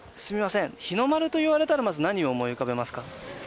すみません日の丸と言われたらまず何を思い浮かべますか？